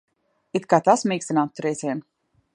It kā tas mīkstinātu triecienu.